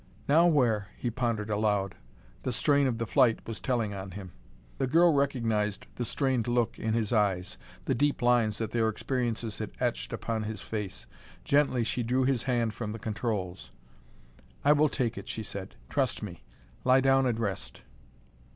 "Now where?" he pondered aloud. The strain of the flight was telling on him. The girl recognized the strained look in his eyes, the deep lines that their experiences had etched upon his face. Gently she drew his hand from the controls. "I will take it," she said. "Trust me. Lie down and rest."